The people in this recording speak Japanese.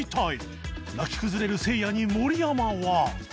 泣き崩れるせいやに盛山は